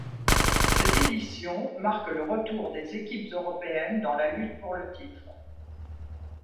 Cette édition marque le retour des équipes européennes dans la lutte pour le titre.